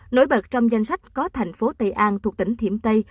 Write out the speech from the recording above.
nối bật trong danh sách có thành phố tây an thuộc tỉnh thiểm tây